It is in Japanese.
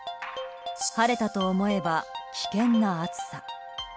晴れたと思えば危険な暑さ。